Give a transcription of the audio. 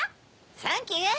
サンキュー！